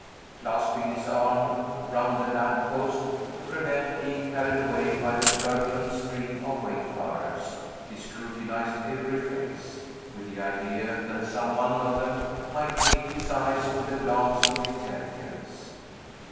Clasping his arm round a lamp post, to prevent being carried away by the turbulent stream of wayfarers, he scrutinized every face, with the idea that some one of them might meet his eyes with a glance of intelligence.